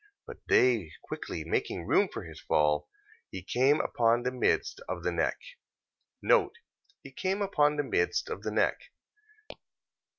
But they quickly making room for his fall, he came upon the midst of the neck. He came upon the midst of the neck...